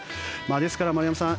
ですから丸山さん